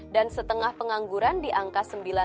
dan setengah pengangguran di angka sembilan lima puluh sembilan